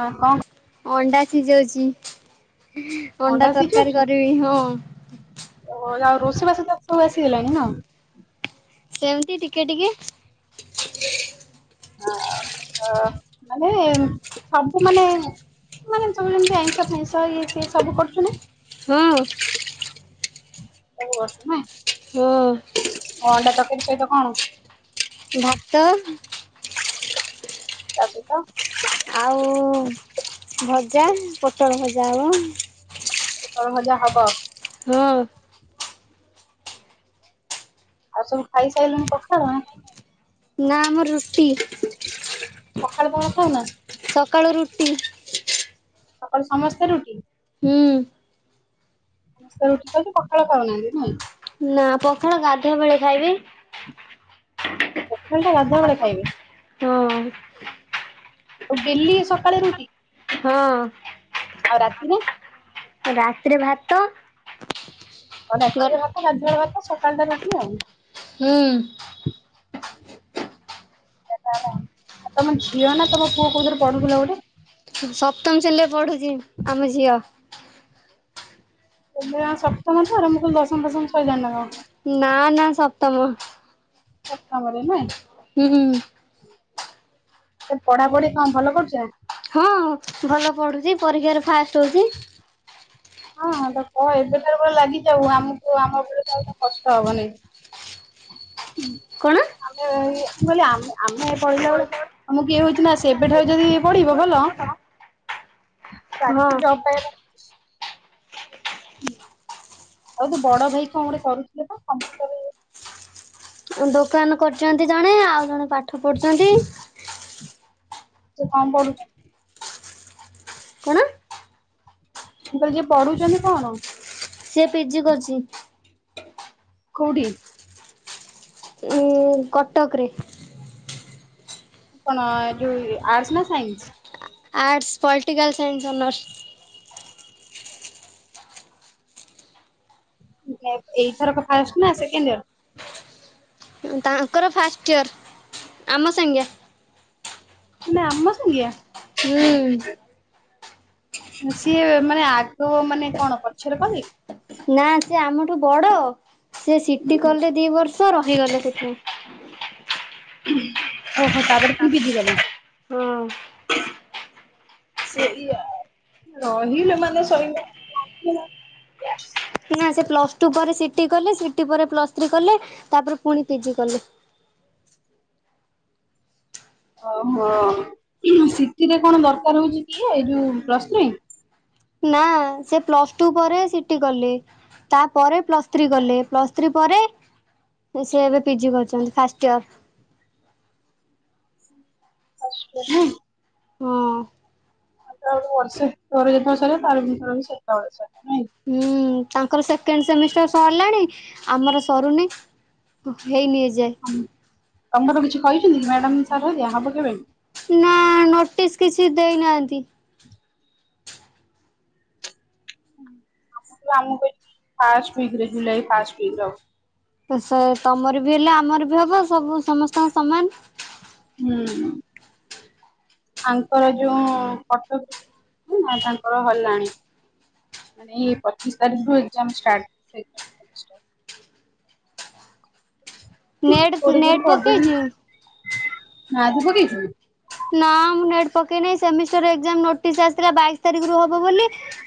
ହଁ କଣ? ଅଣ୍ଡା ସିଝାଉଛି। ଅଣ୍ଡା ତରକାରୀ କରିବି ହଁ। ରୋଷେଇ ବାସ ତ ସବୁ ଆସିଗଲାଣି ନା? ସେମିତି ଟିକେ ଟିକେ। ମାନେ ସବୁ ମାନେ ମାନେ ସବୁ ଯେମତି ଆଇଁଷ ଫାଇଁଷ ଇଏ ସିଏ ସବୁ କରୁଛୁ ନା? ହଁ। ସବୁ ବଷୁ ନାଇଁ। ହଁ। ଅଣ୍ଡା ତରକାରୀ ସହିତ କଣ? ଭାତ। ତା ସହିତ? ଆଉ ଭଜା ପୋଟଳ ଭଜା ହବ। ପୋଟଳ ଭଜା ହବ? ହଁ ଆଉ ସବୁ ଖାଇ ସାରିଲୁଣି ପଖାଳ? ନା ଆମର ରୁଟି। ପଖାଳ ତମର ଖାଉନା ସକାଳ ର ହୁଁ। ସକାଳୁ ସମସ୍ତେ ରୁଟି? ହୁଁ। ସମସ୍ତ [unintelligible] ପଖାଳ ଖାଉ ନାହାନ୍ତି ନାହାନ୍ତି ନା। ନା ପଖାଳ ଗାଧୁଆ ବେଳେ ଖାଇବେ। ପୋଖାଳ ଟା ଗାଧୁଆ ବେଳେ ଖାଇବେ? ହଁ। ଆଉ ଡେଲି ସକାଳେ ରୁଟି? ହଁ। ଆଉ ରାତିିରେ? ରାତିରେ ଭାତ ହଉ ହୁଁ ରାତିରେ ଭାତ, ଗାଧୁଆବେଳ ଭାତ, ସକାଳଟା ରୁଟି ଆଉ । ତମଝିଅ ନା ତମପୁଅ କୋଉଥିରେ ପଢୁଥିଲା ଗୋଟେ? ସପ୍ତମ ଶ୍ରେଣୀରେ ପଢୁଛି ଆମ ଝିଅ ଏବେ ସପ୍ତମ ତ ଆରମ୍ଭ କୁ ଦଶମ ପଶମ ସାଇଲାନି ନା କଣ? ନା ନା ସପ୍ତମ। ସପ୍ତମରେ ନୁହେଁ। ହୁଁ ହୁଁ। ପଢାପଢି କ ଭଲ କରୁଚି? ହଁ ଭଲ ପଢୁଛି। ପରୀକ୍ଷାରେ ଫାଷ୍ଟ ହଉଚି। ହଁଁ ତ କହ ଏବେଠାରୁ ବ ଲାଗିଯାଉ ଆମକୁ ଆମ ଉପରେ ତ ଆଉ କଷ୍ଟ ହବନି । କଣ? ହ ଆମେ ଏଇ ମୁଁ କହିଲି ଆମ ଆମେ ପଢିଲା ବେଳେ ଆମକୁ କିଏ ହଉଛି ନା, ସେ ଏବେଠାରୁ ଯଦି ପଢିବ ଭଲ ହଁ। ତାକୁ ଜବ ପାଇବା ପାଇଁ [inaudible] ଆଉ ତୋ ବଡଭାଇ କଣ ଗୋଟେ କରୁଥିଲେ ପା କମ୍ପ୍ୟୁଟର ଦୋକାନ କରୁଛନ୍ତି ଜଣେ ଆଉ ଜଣେ ପାଠ ପାଠ ପଢୁଛନ୍ତି। ତୁ କଣ କରୁ କଣ? ମୁଁ କହଲି ଯିଏ ପଢୁଛନ୍ତି କଣ? ସିଏ ପିଜି କରୁଚି। କୋଉଠି? ହୁଁ କଟକରେ । ଆପଣ ଯୋଉ ଆର୍ଟସ୍ ନା science. Arts political science honours. ଏଇଥରକ ଫାଷ୍ଟ ନା ସେକଣ୍ଡୟର। ତାଙ୍କର ଫାଷ୍ଟ୍ଇୟର ଆମ ସାଙ୍ଗିଆ ମାନେ ଆମସାଙ୍ଗିଆ । ହୁଁ ସିଏ ମାନେ ଆଗ ମାନେ କଣ ପଛରେ କହି ନା ସେ ଆମଠୁ ବଡ । ସେ ସିଟି କଲେ ଦିବର୍ଷ ରହିଗଲେ ସେଠି। ଓହୋ ତାପରେ ପୁଣି ପିଜି କଲା । ହଁ ସେଇଆ ରହିଲ ମାନେ ଶଇଲା। ନା ସେ ପ୍ଲସଟୁ ପରେ ସିଟି କଲେ ସିଟି ପରେ ପ୍ଲସଥ୍ରୀ କଲେ ତାପରେ ପୁଣି ପିଜି କଲେ । ଓହୋ ସିତିରେ କଣ ଦରକାର ହଉଛି କି ଏଇ ଯୋଉ ପ୍ଲସଥ୍ରୀ। ନା ସେ ପ୍ଲସଟୁ ପରେ ସିଟି କଲେ ତାପରେ ପ୍ଲସଥ୍ରୀ କଲେ ପ୍ଲସଥ୍ରୀ ପରେ ସିଏ ଏବେ ପିଜି କରୁଛନ୍ତି ଫାଷ୍ଟ୍ଇୟର। [unintelligible] ହଁ ମାତ ବର୍ଷେ ପରେ ଯେତେବେଳେ ସରିବ ତାର ବି ଯେତେବେଳେ ସେତେବେଳକୁ ସରିବ । ହୁଁ ତାଙ୍କର ସେକେଣ୍ଡ ସେମିଷ୍ଟର ସରିଲାଣି। ଆମର ସରୁନି। ହେଇନି ଏ ଯାଏଁ। ତମର କିଛି କହିଛନ୍ତି କି ମ୍ୟାଡାମ ସାର୍ ଘରିକା ହବ କେବେ। ନା ନୋଟିସ୍ କିଛି ଦେଇନାହାନ୍ତି। First week July first week ରେ ହବ। ତ ସେ ତମର ବି ହେଲେ ଆମର ବି ହବ ସବୁ ସମସ୍ତଙ୍କ ସମାନ। ହୁଁ ତାଙ୍କର ଯୋଉ ଫଟ ତାଙ୍କର ହେଲାଣି ମାନେ ଏ ପଚିଶ ତାରିଖ ଠୁ ଏକ୍ସାମ ଷ୍ଟାର୍ଟ। ନେଟ୍ କୋଉଠି କୋଉଠି ନେଟ୍ କରିଦଉଛନ୍ତି ପକେଇଚୁ। ନାଁ ତୁ ପକେଇଛୁ। ନା ମୁଁ ନେଟ୍ ପକେଇନାହିଁ ସେମିଷ୍ଟରା ଏକ୍ସାମ୍ ନୋଟିସ୍ ଆସଥିଲା ବାଇଶ ତାରିଖ ରୁ ହବ। ହବ ବୋଲି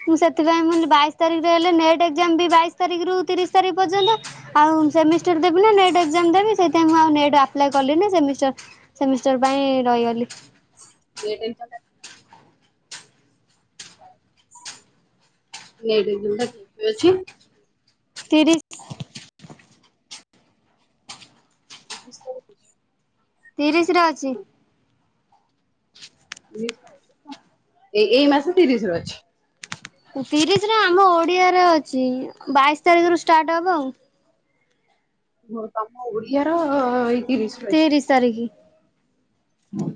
ମୁଁ ସେଥିପାଇଁ ବାଇଶ ତାରିଖରେ ହେଲେ ନେଟ୍ ଏକ୍ଜାମ ବି ବାଇଶ ତାରିଖରୁ ତିରିଶ ତାରିଖ ପର୍ଯ୍ୟନ୍ତ। ଆଉ ସେମିଷ୍ଟାର ଦେବି ନେଟ ଏକ୍ସମ୍ ଦେବୀ ସେଥି ସେଥିାଇଁ ମୁଁ ଆଉ ନେଟ୍ ଆପ୍ଲାଏ କଲି ନା ସେମିଷ୍ଟର ସେମିଷ୍ଟର ପାଇଁ ରହିଗଲି। ନେଟ ଏକ୍ସାମ୍ [inaudible] ତିରିଶ। [inaudible] [inaudible] ତିରିଶ ରେ ଅଛି। [inaudible] ଏ ଏଇ ମାସ ତିରିଶ ରେ ଅଛି। ତିରିଶରେ ଆମ ଓଡିଆରେ ଅଛି ବାଇଶ ତାରିଖରୁ ଷ୍ଟାର୍ଟ ହବ ଆଉ। ହୋଉ ତମ ଓଡିଆ ର ତିରିଶ ତାରିଖ ହୁଁ।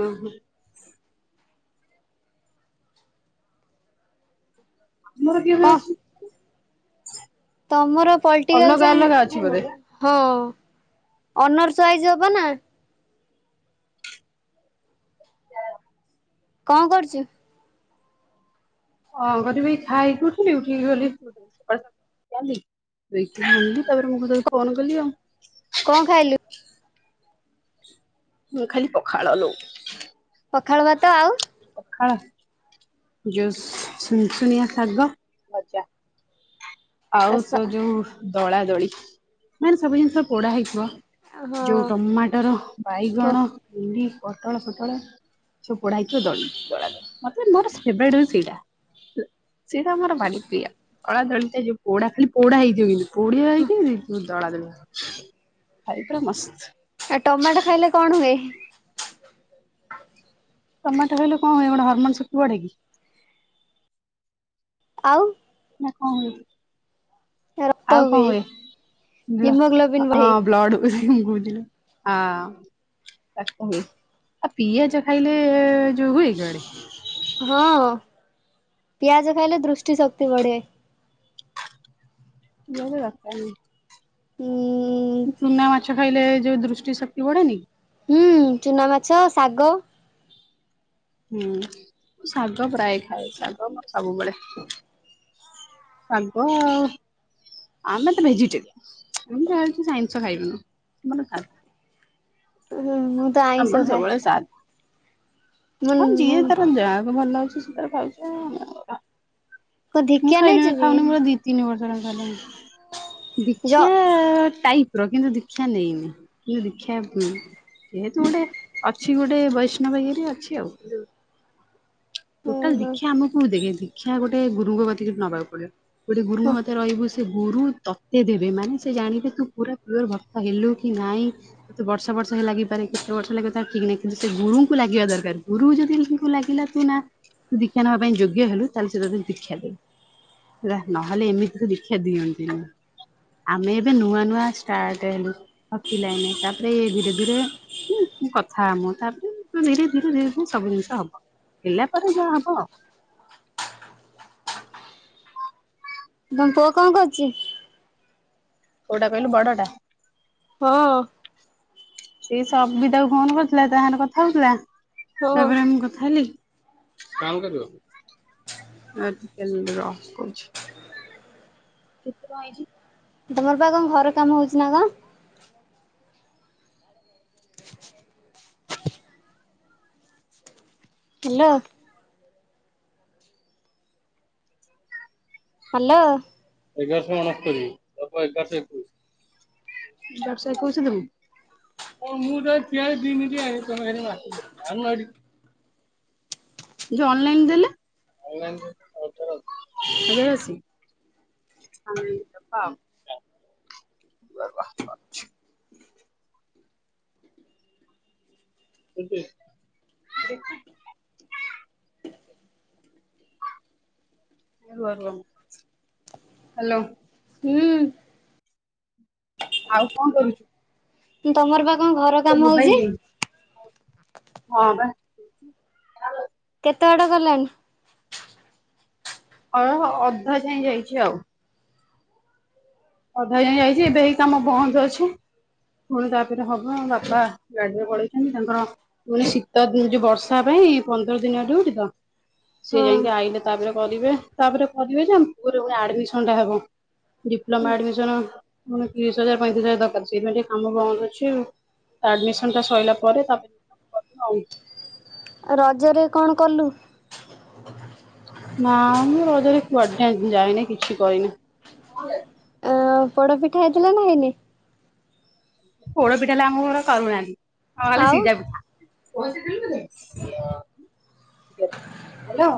ଓଃ ହୋ। ମୋର କିଏବେ କଣ ଅଛି। ତମର ପଲିଟିକାଲ ଅଲଗା ଅଲଗା ଅଛି ସାଇନ୍ସ ବୋଧେ। ହଁ ଅନର୍ସ ୱାଇସ ହବ ନା? କଣ କରୁଛୁ? ହଁ କରିବି ଖାଇକି ଉଠିଲି ଉଠିକି ଗଲି ଏଇଖିନା ଆଣିଲି ତାପରେ ମୁହଁ ଧୋଇ ଫୋନ କଲିି ଆଉ। କଣ ଖାଇଲୁ? ମୁଁ ଖାଇଲି ପଖାଳ ଲୋ। ପଖାଳ ଭାତ ଆଉ? ହଁ। ଯୋଉ ସୁନଶୁନିଆଁ ଶାଗ ଭଜା। ଆଉ ସେ ଯୋଉ। ଦଳା ଦଳି ମାନେ ସବୁ ଜିନିଷ ପୋଡା ହେଇଥିବ। ହଁ ଯୋଉ ଟମାଟର ହଁ ବାଇଗଣ ଭିଣ୍ଡି। ପୋଟଳ ଫୋଟଳ ସବୁ ପୋଡା ହେଇଥିବ ଦଳା ମୋର ଫେବରେଟ ହଉଛି ସେଇଟା ସେଇଟା ଆମର ଭାରି ପ୍ରିୟା ଦଳା ଦଳି ଟା ପୋଡା ଖାଲି ପୋଡା ହେଇଥିବ କିନ୍ତୁ ପୋଡ଼ିଆ ହେଇକି ଦଳ ଦଳି ଖାଇବା ପୁରା ମସ୍ତ। ଆଉ ଟମାଟୋ ଖାଇଲେ କଣ ହୁଏ? ଟମାଟୋ କହିଲେ କଣ ହୁଏ ହରମୋନ ଶକ୍ତି ବଢ଼େ କି? ଆଉ ନା କଣ ହୁଏ? ଆଉ କଣ ହୁଏ ହଁ ବ୍ଳ ହିମୋଗ୍ଲୋବିନ୍ ବଢେ। ବ୍ଲଡ ହୁଏ। ହୁଁ ଘୁଞ୍ଚନୁ ହଁ [unintelligible] ହୁଏ ଆଉ ପିଆଜ ଖାଇଲେ ଯୋଉ ହୁଏ କୁଆଡେ? ହଁ ପିଆଜ ଖାଇଲେ ଦୃଷ୍ଟି ଶକ୍ତି ବଢେ। ଯବେ ବାକାରି ଉଁ ଚୁନା ମାଛ ଖାଇଲେ ଯୋଉ ଦୃଷ୍ଟି ଶକ୍ତି ବଢେନି? ହୁଁ ଚୁନା ମାଛ ଶାଗ ହୁଁ ଶାଗ ପ୍ରାୟ ଖାଏ ଶାଗ ମୋର ସବୁବେଳେ ଶାଗ ଆମେ ତ ଭେଜିଟେରିୟ ଆମେ ଆଇଁସ ଖାଇବୁନୁ ଆମର ସାଧା। ହୁଁ ମୁଁ ତ ଆମର ଆଇଁସ ଖାଏ। ସବୁବେଳେ ସାଧା ମୁଁ ହଁ ଯିଏ ମୁଁ ତାର ଯାହାକୁ ଭଲ ଲାଗୁଛି ସେ ସେ ତାର ଖାଉଛି ଆଉ କଣ ମୁଁ ଧିକିଆ ଖାଇନି ନେଇଛୁ କି? ଖାଉନି ଦୁଇ ତିନି ବର୍ଷ ଗାମ [unintelligible] ଯ ଦୀକ୍ଷା ଟାଇପ ପ୍ରଜ୍ଞା ତ ଦୀକ୍ଷା ନେଇନି କିନ୍ତୁ ଦୀକ୍ଷା ଯେହେତୁ ଗୋଟେ ଅଛି ଗୋଟେ ବୈଷ୍ଣବ ଇଏରେ ଅଛି ଆଉ। ହୁଁ ଟୋଟାଲ ହୁଁ ଦୀକ୍ଷା ଆମକୁ ଦେଖେ ଦୀକ୍ଷା ଗୋଟେ ଗୁରୁଙ୍କ ପାଖରୁ ନବାକୁ ପଡେ। ଗୋଟେ ହଁ ଗୁରୁମାତା ରହିବ ସେ ଗୁରୁ ତତେ ଦେବେ ମାନେ ସେ ଜାଣିବେ ତୁ ପୁରା ପିଓର ଭକ୍ତ ହେଲୁ କି ନାହିଁ ତତେ ବର୍ଷ ବର୍ଷ ହେ ଲାଗିପାରେ, କେତେ ବର୍ଷ ଲାଗିବ କି ନାହିଁ କିନ୍ତୁ ସେ ଗୁରୁଙ୍କୁ ଲାଗିବା ଦରକାର ଗୁରୁ ଯଦି ଲାଗିଲା ନା ଦୀକ୍ଷା ନବା ପାଇଁ ଯୋଗ୍ୟ ହେଲୁ ତାହେଲେ ସେ ତା ଦୀକ୍ଷା ଦେ ହେଲା ନହେଲେ ଏମିତି ତ ଦୀକ୍ଷା ଦିଅନ୍ତି ନାି ଆମେ ଏବେ ନୂଆ ନୂଆ ଷ୍ଟାର୍ଟ ହେଲୁ ପିଲାମାନେ ତାପରେ ଧୀରେ ଧୀରେ କଥା ଆମ ତାପରେ ଧୀରେ ଧୀରେ ଧୀରେ ଧୀରେ ସବୁ ଜିନିଷ ହବ। ହେଲା ପରେ ଯାହା ହବ ଆଉ। ତମ ପୁଅ କଣ କରୁଛି? କୋଉଟା କହିଲୁ ବଡଟା? ହଁ ସେ ସବିତାକୁ ଫୋନ କରୁଥିଲା। ତା ସାଙ୍ଗରେ କଥା ହଉଥିଲା। ହଁ ତାପରେ ଆମେ କଥା [unintelligible] କଣ କରିବ [unintelligible] ର କହୁଚି। ତମର ପା କଣ ଘର କାମ ହଉଛି ନା କଣ? ହାଲୋ। ହାଲୋ। ଏଗାରଶହ ଅଣସ୍ତୁରି ଏବଂ ଏଗାରଶହ ଏକୋଇଶ ଏଗାରଶହ ଏକୋଇଶ [unintelligible] [unintelligible] [inaudible] ରୁହ ରୁହ ହାଲୋ। ହୁଁଉ। ଆଉ କଣ କରୁଛୁ? ତମରି ପାଖ କଣ ଘର ତୋ କାମ ମୋବାଇଲ ହଉଛି? ନେଇ ହଁ ବା। କେତେ ବାଟ ଗଲାଣି? ହଁ ଅଧା ଯାଏ ଯାଇଛି ଆଉ। ଅଧା ଯାଏ ଯାଇଛି ଏବେ ଏଇ କାମ ବନ୍ଦ ଅଛି ପୁଣି ତାପରେ ହବ ବାପା ଗାଡିରେ ପଳେଇଛନ୍ତି। ତାଙ୍କର ପୁଣି ଶୀତି ଯୋଉ ବର୍ଷା ପାଇଁ ପନ୍ଦର ଦିନିଆ ଟୁର ତ, ସେ ହଁ ଯାଇକି ଆଇଲେ ତାପରେ କରିବେ ତାପରେ କରିବେ ଯେ ଆମ ପୁଅର ପୁଣି ଆଡମିଶନ୍ ଟା ହବ। ଲୋମା ଆଡମିଶନ୍ ପୁଣି ତିରିଶି ହଜାର ପଇଁତିରିଶି ହଜାର ଦରକାର। ସେଇଥିପାଇଁ ଟିକେ କାମ ବନ୍ଦ ଅଛି ତା ଆଡମିଶନ୍ ଟା ସରିଲା ପରେ ତାପ କରିବୁ ଆଉ। ରଜରେ କଣ କଲୁ? ନା ମୁଁ ରଜରେ କୁଆଡେ ଯାଇନି କିଛି କରିନି। ପୋଡ଼ପିଠା ହେଇଥିଲା ନା ହେଇନି? ପୋଡ଼ପିଠା ହେଲେ ଆମ ଘରେ କରୁନାହାନ୍ତି । ହଁ ଏଇ ଆଉ ସିଜା ପିଠା । ହ୍ୟାଲୋ,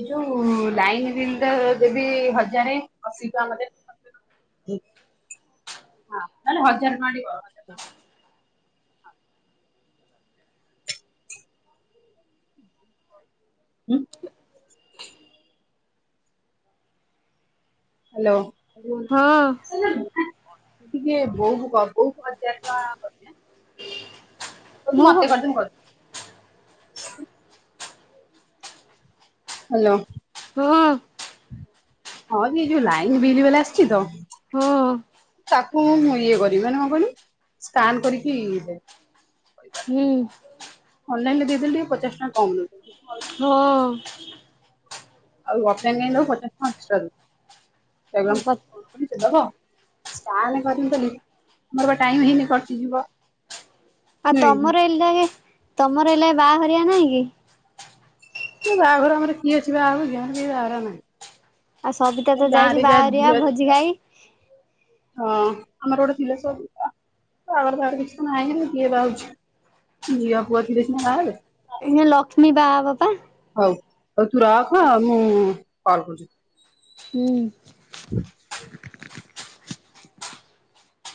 ଏ ଯୋଉ ଲାଇନ ବିଲ୍ ଟା ଦେବି ହଜାରେ ଅତି କମରେ। ହଁ ଖାଲି ହଜାରେ ଟଙ୍କା ପଡିବ। [unintelligible] ହାଲୋ। ହଁ [unintelligible] ଟିକେ ବୋଉକୁ ବୋଉକୁ ହଜାରେ ଟଙ୍କା ପଠା। ହୋଉ ତୁ ମୋତେ କରିଦେ ମୁଁ କରିଦେଉଛି । [inaudible] ହାଲୋ। ହଁ। ହଁ ଯେ ଯୋଉ ଲାଇନ ବିଲ୍ ବାଲା ଆସିଛି ତ ତାକୁ ମୁଁ ଇଏ କରିବି ମାନ କଣ କହିଲୁ ସ୍କାନ କରିକି ଦେବି। ହୁଁ ଅନଲାଇନ ଦେଇଦେଲେ ଟିକେ ପଚାଶ ଟଙ୍କା କମ୍ ନଉଛି। ହଁ। [unintelligible] [unintelligible] ସ୍କାନ କରିନି ବୋଲି ମୋର ପା ଟାଇମ ହେଇନି କଟିଯିବ। ଆ ନୁହେଁ ତମର ଏ ଲାଗେ। ତମର ଏଲା ବାହାଘରଆ ନାଇ କି। ବାହାଘର ଆମର କିଏ ଅଛି ବାହାହବକି ଆମର କେହି ବାହାଘର ହେବେନି । ଆଉ ସବିତା ତ ଯାଇଛି ବାହାଘରିଆ ଭୋଜି ଝିଅ ଖାଇ। ହଁ ଆମର ଗୋଟେ ଥିଲେ ସବୁ ପା ବାହାଘର ଫାଘର କିଛି ତ ନାହିଁ କିଏ ବହାହୋଉଛି। ଝିଅ ପୁଅ ଥିଲେ ସିନା ବାହାହେବେ। ଏ ଲକ୍ଷ୍ମୀ ବାହା ହବପା। ହଉ ହଉ ତୁ ରଖ ମୁଁ କଲ କରୁଛି। ହୁଁଉ। [inaudible]